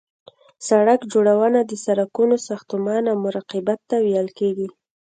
سرک جوړونه د سرکونو ساختمان او مراقبت ته ویل کیږي